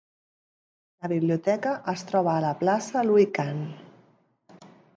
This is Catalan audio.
La biblioteca es troba a la plaça Louis Kahn.